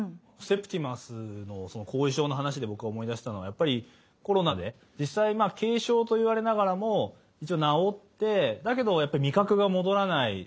セプティマスの後遺症の話で僕は思い出したのはやっぱりコロナで実際軽症と言われながらも一応治ってだけどやっぱり味覚が戻らない。